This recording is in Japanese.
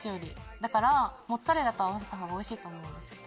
だからモッツァレラと合わせたほうがおいしいと思うんですけど。